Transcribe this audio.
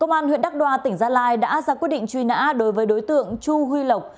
công an huyện đắc đoa tỉnh gia lai đã ra quyết định truy nã đối với đối tượng chu huy lộc